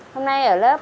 hôm nay ở lớp ba